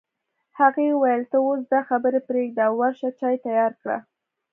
هغې وویل ته اوس دا خبرې پرېږده او ورشه چای تيار کړه